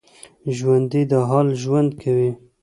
ژوندي د حال ژوند کوي